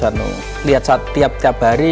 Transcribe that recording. harus lihat setiap hari